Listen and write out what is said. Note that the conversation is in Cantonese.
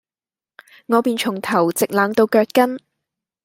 我便從頭直冷到腳跟，